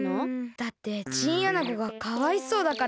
だってチンアナゴがかわいそうだから。